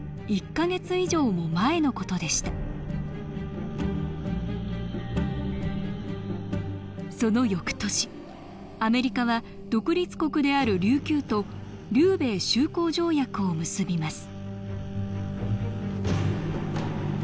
１か月以上も前の事でしたそのよくとしアメリカは独立国である琉球と琉米修好条約を結びます